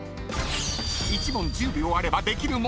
［１問１０秒あればできる問題］